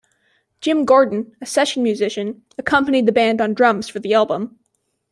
Jim Gordon, a session musician, accompanied the band on drums for the album.